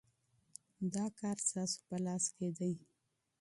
دا کار ستاسو په لاس کي دی.